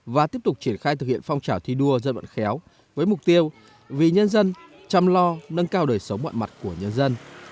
chúng tôi sẽ thực hiện phong trào thi đua dân vận khéo với mục tiêu vì nhân dân chăm lo nâng cao đời sống mọi mặt của nhân dân